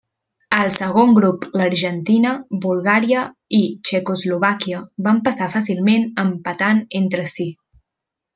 Al segon grup l'Argentina, Bulgària i Txecoslovàquia van passar fàcilment empatant entre si.